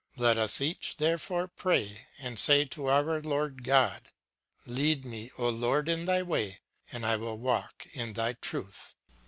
Let us each, tlierefore, pray and say to our Lord, God : "Lead me, O Lord, in thy way, and I will walk in thy truth.